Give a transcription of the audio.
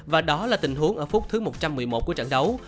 và đó là tình huống ở phút thứ một trăm một mươi một của trận đấu